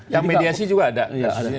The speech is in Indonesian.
yang mediasi juga ada